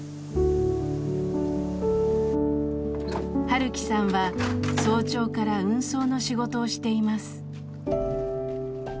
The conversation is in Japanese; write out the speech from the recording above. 晴樹さんは早朝から運送の仕事をしています。